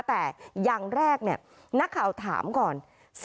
แต่อย่างแรกนักข่าวถามก่อน